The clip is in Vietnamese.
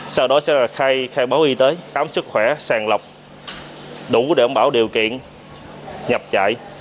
sau đó sẽ khai báo y tế khám sức khỏe sàn lọc đủ để đảm bảo điều kiện nhập trại